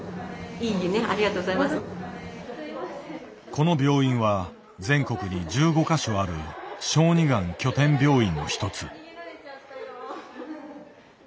この病院は全国に１５か所ある「小児がん拠点病院」の１つ。